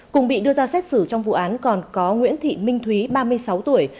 cùng bị đưa ra xét xử trong vụ án còn có nguyễn thị minh thúy ba mươi sáu tuổi